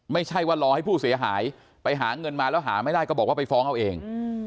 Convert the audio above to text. ไม่ใช่ว่ารอให้ผู้เสียหายไปหาเงินมาแล้วหาไม่ได้ก็บอกว่าไปฟ้องเอาเอง